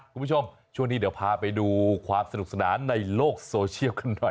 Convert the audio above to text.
คุณผู้ชมช่วงนี้เดี๋ยวพาไปดูความสนุกสนานในโลกโซเชียลกันหน่อย